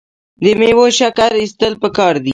د میوو شکر ایستل پکار دي.